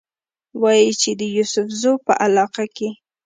وايي چې د يوسفزو پۀ علاقه کښې